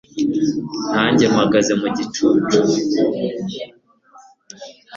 nanjye mpagaze mu gicucu